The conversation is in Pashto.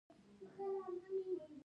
هره ورځ شيدې څښل روغتيا ته گټه لري